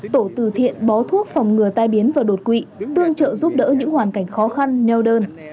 tổ từ thiện bó thuốc phòng ngừa tai biến và đột quỵ tương trợ giúp đỡ những hoàn cảnh khó khăn neo đơn